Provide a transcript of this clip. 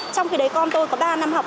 trong khi đấy con tôi có ba năm học